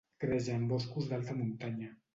Creix en boscos d'alta muntanya.